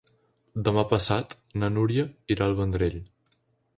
Demà passat na Núria irà al Vendrell.